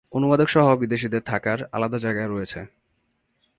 অনুবাদক সহ বিদেশীদের থাকার আলাদা জায়গা রয়েছে।